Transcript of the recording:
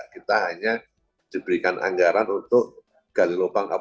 kita hanya diberikan anggaran untuk gali lubang